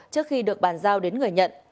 trước khi được bàn giao đến người nhận